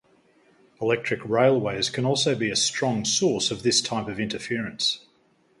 Electric railways can also be a strong source of this type of interference.